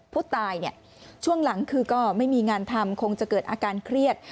ผู้ตายเนี่ยช่วงหลังคือก็ไม่มีงานทำคงจะเกิดอาการเครียด